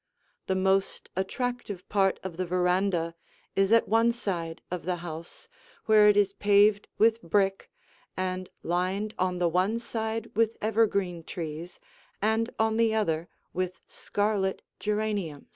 The most attractive part of the veranda is at one side of the house, where it is paved with brick and lined on the one side with evergreen trees and on the other with scarlet geraniums.